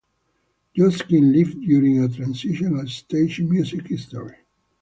Josquin lived during a transitional stage in music history.